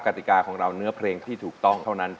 ติกาของเราเนื้อเพลงที่ถูกต้องเท่านั้น